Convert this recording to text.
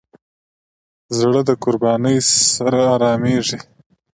زړه د قربانۍ سره آرامېږي.